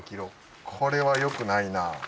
これはよくないなぁ。